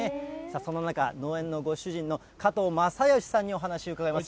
そんな中、農園のご主人の加藤正芳さんにお話を伺います。